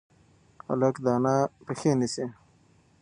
هلک د انا پښې نیسي.